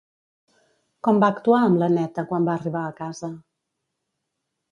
Com va actuar amb l'Anneta quan va arribar a casa?